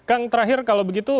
kang terakhir kalau begitu